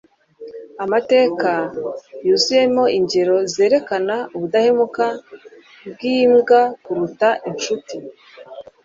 amateka yuzuyemo ingero zerekana ubudahemuka bw'imbwa kuruta inshuti